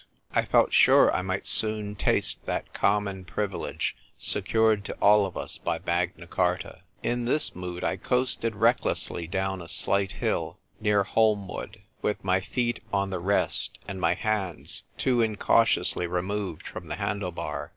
' I felt sure I might soon taste that common privilege secured to all of us by Magna Charta. In this mood I coasted recklessly down a slight hill near Holmwood, with my feet on the rest, and my hands too incautiously re moved from the handle bar.